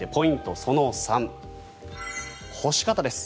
その３干し方です。